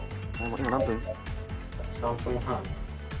「今何分？」「３分半」